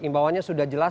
himbawannya sudah jelas